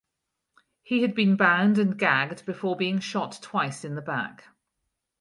He had been bound and gagged before being shot twice in the back.